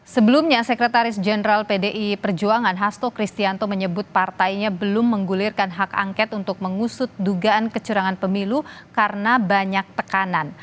sebelumnya sekretaris jenderal pdi perjuangan hasto kristianto menyebut partainya belum menggulirkan hak angket untuk mengusut dugaan kecurangan pemilu karena banyak tekanan